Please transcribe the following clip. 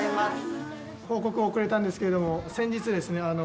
報告遅れたんですけれども先日ですね